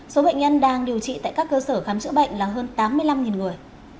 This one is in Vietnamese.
số bệnh nhân đang điều trị tại các cơ sở khám chữa bệnh là hơn tám mươi năm người